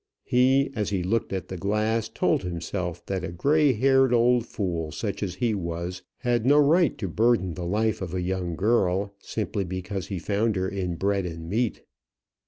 He, as he looked at the glass, told himself that a grey haired old fool, such as he was, had no right to burden the life of a young girl, simply because he found her in bread and meat.